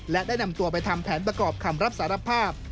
และได้นำตัวไปทำแผนประกอบคำรับสารภาพ